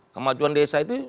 kemajuan desa itu